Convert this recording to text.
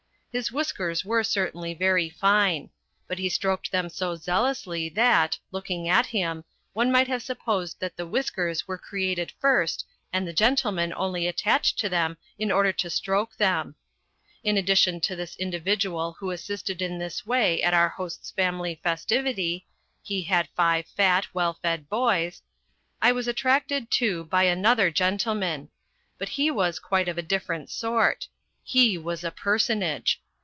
His whiskers were certainly very fine. But he stroked them so zealously that, looking at him, one might have supposed that the whiskers were created first and the gentleman only attached to them in order to stroke them. In addition to this individual who assisted in this way at our host's family festivity (he had five fat, well fed boys), I was attracted, too, by another gentleman. But he was quite of a different sort. He was a personage.